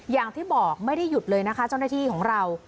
อย่างที่บอกไม่ได้หยุดเลยนะคะเจ้าหน้าที่ของเรา